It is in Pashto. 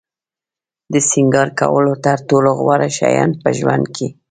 د سینگار کولو تر ټولو غوره شیان په ژوند کې.